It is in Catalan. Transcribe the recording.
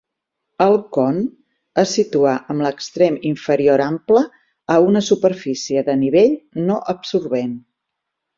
El con es situa amb l'extrem inferior ample a una superfície de nivell no absorbent.